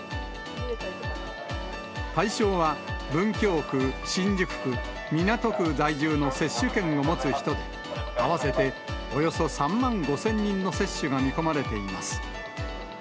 対象は、文京区、新宿区、港区在住の接種券を持つ人で、合わせておよそ３万５０００人の接種が見込まれています。